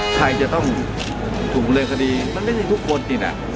ใครจะต้องถูกเรียนคดีมันไม่ได้ทุกคนติด